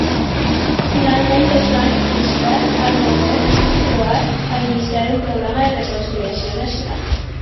Finalment, es va instar al govern croat a iniciar un programa de reconciliació nacional.